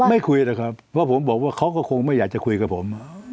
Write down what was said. ไม่คุยเหรอครับอาจว่าเขาก็คงไม่อยากจะคุยกับผม